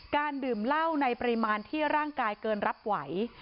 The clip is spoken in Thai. ดื่มเหล้าในปริมาณที่ร่างกายเกินรับไหว